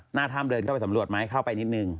หน้าถ้ำเดินเข้าไปสำรวจไหมเข้าไปนิดนึง